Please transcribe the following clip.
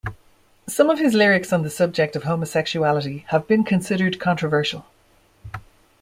Some of his lyrics on the subject of homosexuality have been considered controversial.